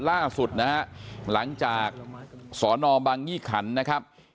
ล่าสุดนะฮะหลังจากสอนอบังยี่ขันนะครับ